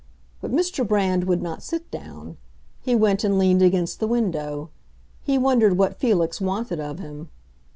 But Mr. Brand would not sit down; he went and leaned against the window; he wondered what Felix wanted of him.